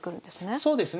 そうですね。